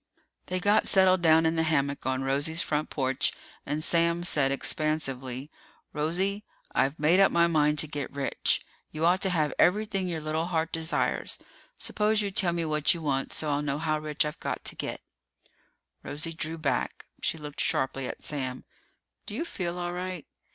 They got settled down in the hammock on Rosie's front porch, and Sam said expansively, "Rosie, I've made up my mind to get rich. You ought to have everything your little heart desires. Suppose you tell me what you want so I'll know how rich I've got to get." Rosie drew back. She looked sharply at Sam. "Do you feel all right?"